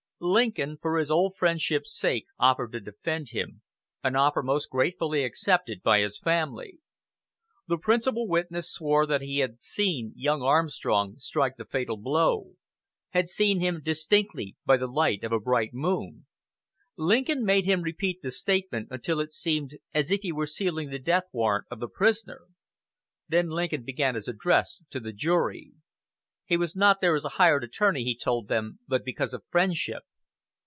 Lincoln, for old friendship's sake, offered to defend him an offer most gratefully accepted by his family. The principal witness swore that he had seen young Armstrong strike the fatal blow had seen him distinctly by the light of a bright moon. Lincoln made him repeat the statement until it seemed as if he were sealing the death warrant of the prisoner. Then Lincoln began his address to the jury. He was not there as a hired attorney, he told them, but because of friendship.